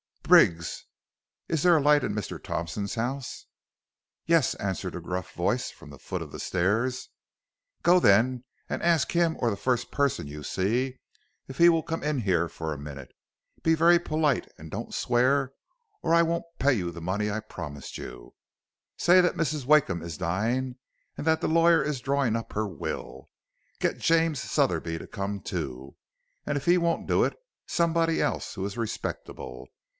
"'Briggs, is there a light in Mr. Thompson's house?' "'Yes,' answered a gruff voice from the foot of the stairs. "'Go then, and ask him or the first person you see there, if he will come in here for a minute. Be very polite and don't swear, or I won't pay you the money I promised you. Say that Mrs. Wakeham is dying, and that the lawyer is drawing up her will. Get James Sotherby to come too, and if he won't do it, somebody else who is respectable.